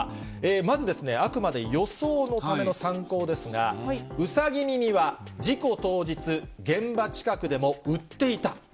まずですね、あくまで予想のための参考ですが、ウサギ耳は事故当日、現場近くでも売っていた。